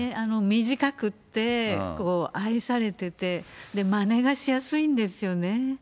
短くって、愛されてて、まねがしやすいんですよね。